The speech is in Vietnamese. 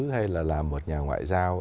hay là làm một nhà ngoại giao